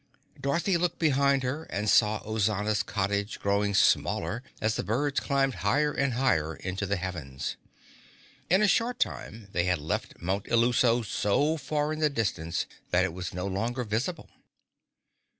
Dorothy looked behind her and saw Ozana's cottage growing smaller as the birds climbed higher and higher into the heavens. In a short time, they had left Mount Illuso so far in the distance that it was no longer visible.